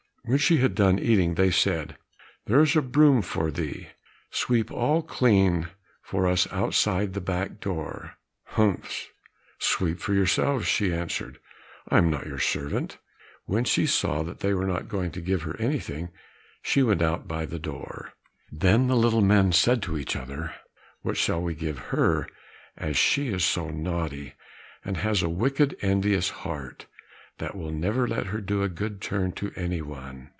When she had done eating, they said, "There is a broom for thee, sweep all clean for us outside by the back door." "Humph! Sweep for yourselves," she answered, "I am not your servant." When she saw that they were not going to give her anything, she went out by the door. Then the little men said to each other, "What shall we give her as she is so naughty, and has a wicked envious heart, that will never let her do a good turn to any one?"